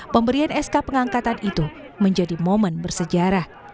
pemberian sk pengangkatan itu menjadi momen bersejarah